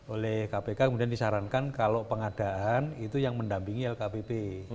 oleh kpk kemudian disarankan kalau pengadaan itu yang mendampingi lkpp